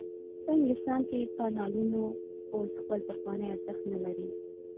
په انګلستان کې کانالونو اوس خپل پخوانی ارزښت نلري.